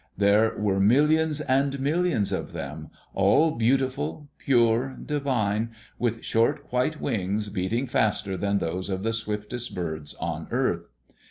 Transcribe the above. There were millions and millions of them, all beautiful, pure, divine, with short white wings beating faster than those of the swiftest birds on earth.